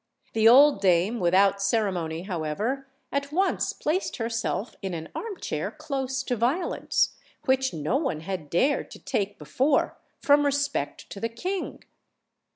The old dame without ceremony, however, at once placed herself in an armchair close to Violent's, which no one had dared to take before from respect to the king.